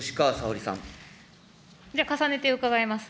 じゃあ、重ねて伺います。